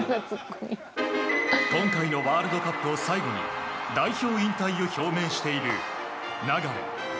今回のワールドカップを最後に、代表引退を表明している流。